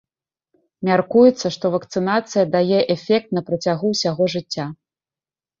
Мяркуецца, што вакцынацыя дае эфект на працягу ўсяго жыцця.